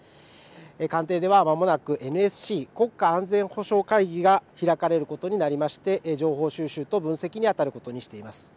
官邸ではまもなくＮＳＣ・国家安全保障会議が開かれることになりまして情報収集と分析にあたることにしています。